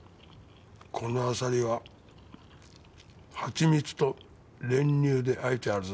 このあさりはハチミツと練乳であえてあるぞ。